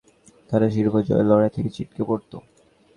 Barcelona যদি হেরে যেত তাহলে তারা শিরোপা জয়ের লড়াই থেকে ছিটকে পড়ত।